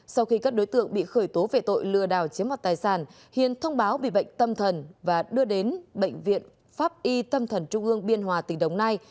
sau khi các đối tượng bị khởi tố về tội lừa đảo chiếm mặt tài sản hiền thông báo bị bệnh tâm thần và đưa đến bệnh viện pháp y tâm thần trung ương biên hòa tỉnh đồng nai